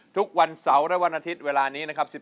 ทุกวันเสาร์และวันอาทิตย์เวลานี้นะครับ